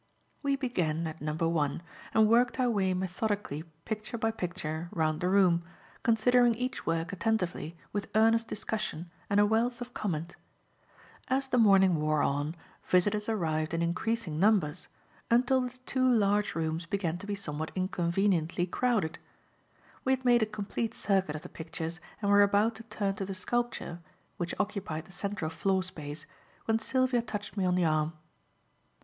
We began at number one and worked our way methodically picture by picture, round the room, considering each work attentively with earnest discussion and a wealth of comment. As the morning wore on, visitors arrived in increasing numbers, until the two large rooms began to be somewhat inconveniently crowded. We had made a complete circuit of the pictures and were about to turn to the sculpture, which occupied the central floor space, when Sylvia touched me on the arm.